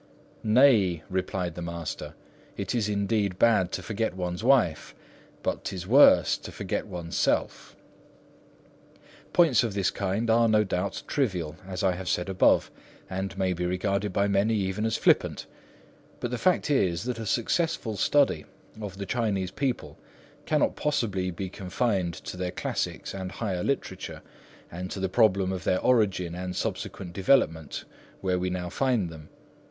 "Nay," replied the Master, "it is indeed bad to forget one's wife; but 'tis worse to forget one's self!" Points of this kind are, no doubt, trivial, as I have said above, and may be regarded by many even as flippant; but the fact is that a successful study of the Chinese people cannot possibly be confined to their classics and higher literature, and to the problem of their origin and subsequent development where we now find them.